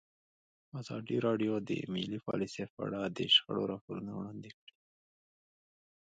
ازادي راډیو د مالي پالیسي په اړه د شخړو راپورونه وړاندې کړي.